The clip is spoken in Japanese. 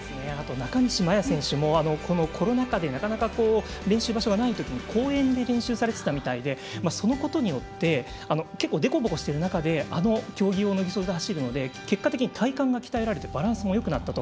中西麻耶選手もコロナ禍でなかなか練習場所がないときに公園で練習されていたみたいでそのことによって結構、デコボコしているところを義足で走るので、結果的にバランスもよくなったと。